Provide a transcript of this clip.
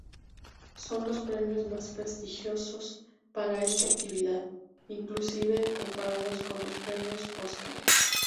Son los premios más prestigiosos para esta actividad, inclusive comparados con los Premios Óscar.